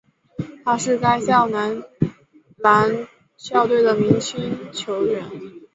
他是该校男篮校队的明星球员。